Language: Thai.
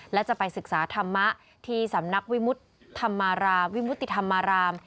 และจะไปศึกษาธรรมะที่สำนักวิมุติธรรมราม